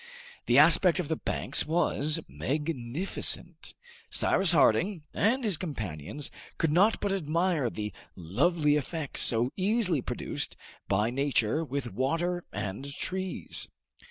The aspect of the banks was magnificent. Cyrus Harding and his companions could not but admire the lovely effects so easily produced by nature with water and trees.